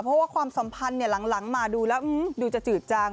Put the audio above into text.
เพราะว่าความสัมพันธ์หลังมาดูแล้วดูจะจืดจัง